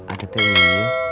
ada teh ini